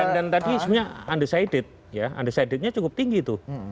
dan tadi sebenarnya undecided ya undecidednya cukup tinggi itu